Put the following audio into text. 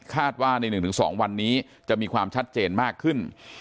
ว่าใน๑๒วันนี้จะมีความชัดเจนมากขึ้น